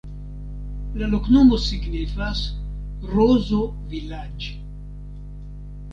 La loknomo signifas: rozo-vilaĝ'.